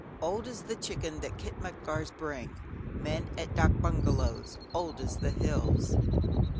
"Old as the chicken that Kitmûtgars bring Men at dâk bungalows, old as the hills."